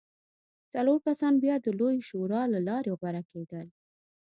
څلور کسان بیا د لویې شورا له لارې غوره کېدل